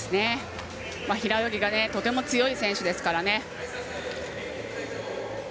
平泳ぎがとても強い選手ですから。